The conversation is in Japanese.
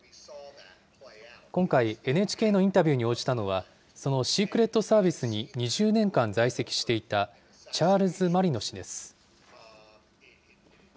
今回、ＮＨＫのインタビューに応じたのは、そのシークレットサービスに２０年間在籍していた、チャールズ・マリノ氏です。